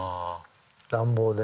乱暴で。